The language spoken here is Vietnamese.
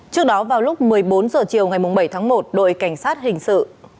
trước đó vào lúc một mươi bốn h chiều ngày bảy tháng một đội cảnh sát hình sự